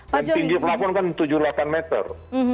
tinggi pelabuhan kan tujuh delapan meter